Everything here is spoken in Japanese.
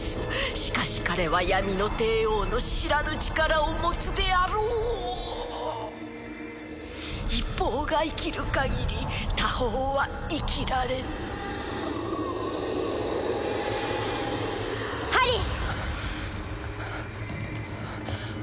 しかし彼は闇の帝王の知らぬ力を持つであろう一方が生きるかぎり他方は生きられぬハリー！